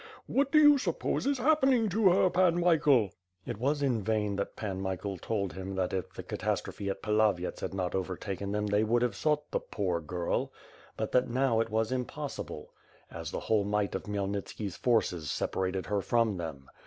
What do you suppose is happening to her. Pan Michael?" It was in vain that Pan Michael told him that if the cat astrophe at Pilavyets had not overtaken them they would have sought the "poor girl;" but that now it was impossible. WITE FIRE AND SWORD. 539 as the whole might of Khmyelnitski's forces separated her from them.